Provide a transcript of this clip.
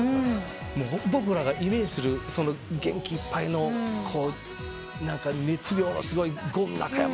僕らがイメージする元気いっぱいの熱量のすごいゴン中山